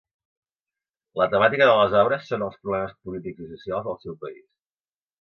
La temàtica de les obres són els problemes polítics i socials del seu país.